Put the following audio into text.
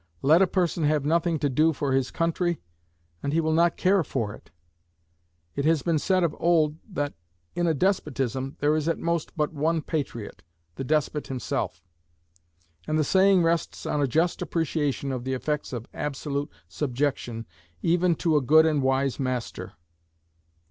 Let a person have nothing to do for his country, and he will not care for it. It has been said of old that in a despotism there is at most but one patriot, the despot himself; and the saying rests on a just appreciation of the effects of absolute subjection even to a good and wise master.